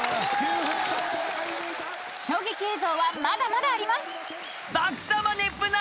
［衝撃映像はまだまだあります！］